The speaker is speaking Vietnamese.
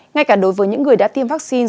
ngay cả đối với những người đã tiêm vaccine